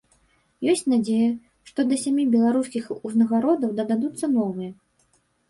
Ёсць надзея, што да сямі беларускіх узнагародаў дададуцца новыя.